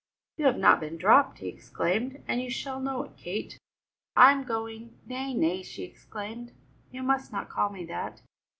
"You have not been dropped," he exclaimed, "and you shall know it. Kate, I am going " "Nay, nay," she exclaimed, "you must not call me that!"